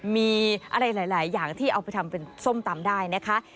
มีอะไรหลายอย่างที่เอาไปทำเป็นส้มตำได้นะคะ